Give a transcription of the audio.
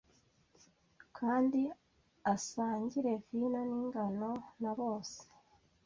kandi asangire vino ningano na bose